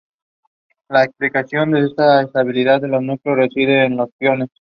La explicación de esta estabilidad de los núcleos reside en los piones.